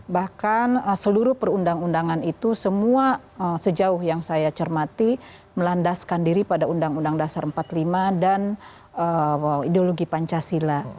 bahkan seluruh perundang undangan itu semua sejauh yang saya cermati melandaskan diri pada undang undang dasar empat puluh lima dan ideologi pancasila